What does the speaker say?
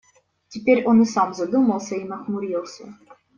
Теперь он и сам задумался и нахмурился.